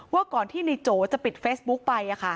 ว่าก่อนที่ในโจจะปิดเฟสบุ๊กไปค่ะ